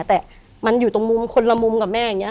แต่มันอยู่ตรงมุมคนละมุมกับแม่อย่างนี้